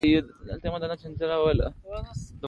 شاګردان دې اصلي مطلب پخپلو کتابچو کې ولیکي.